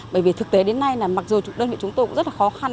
bởi vì thực tế đến nay là mặc dù đơn vị chúng tôi cũng rất là khó khăn